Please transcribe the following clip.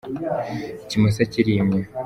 ikimasa kirimya.